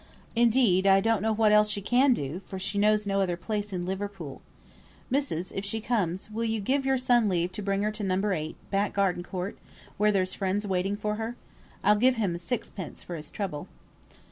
Indeed, I don't know what else she can do, for she knows no other place in Liverpool. Missus, if she comes, will you give your son leave to bring her to No. 8, Back Garden Court, where there's friends waiting for her? I'll give him sixpence for his trouble."